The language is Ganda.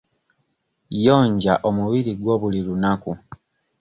Yonja omubiri gwo buli lunaku.